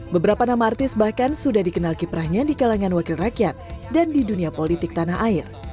beberapa nama artis bahkan sudah dikenal kiprahnya di kalangan wakil rakyat dan di dunia politik tanah air